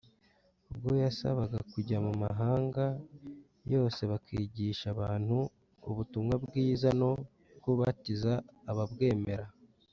ubwo yabasabaga kujya mu mahanga yose bakigisha abantu ubutumwa bwiza no kubatiza ababwemera